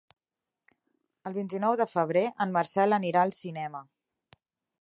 El vint-i-nou de febrer en Marcel anirà al cinema.